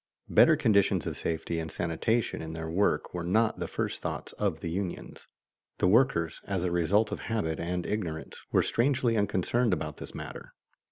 _ Better conditions of safety and sanitation in their work were not the first thought of the unions. The workers, as a result of habit and ignorance, were strangely unconcerned about this matter.